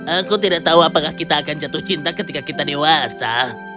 aku tidak tahu apakah kita akan jatuh cinta ketika kita dewasa